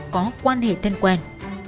có quan hệ thân quen